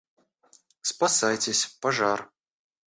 Спасайтесь, пожар!